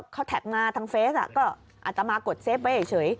เขาแท็กมาทางเฟสก็อาจจะมากดเฟฟไว้เฉย